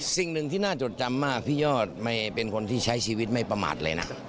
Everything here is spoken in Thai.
สิ่งหนึ่งที่น่าจดจำมากพี่ยอดไม่เป็นคนที่ใช้ชีวิตไม่ประมาทเลยนะ